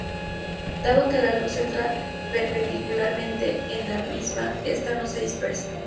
Dado que la luz entra perpendicularmente en el prisma esta no se dispersa.